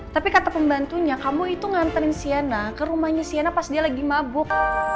tapi kata pembantunya kamu itu nganterin siana ke rumahnya siana pas dia lagi mabuk